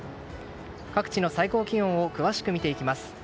各地の最高気温を詳しく見ていきます。